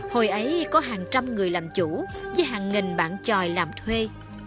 hồi ấy có hàng trăm người làm chủ với hàng nghìn bạn tròi làm thuê